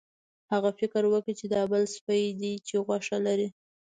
هغه فکر وکړ چې دا بل سپی دی چې غوښه لري.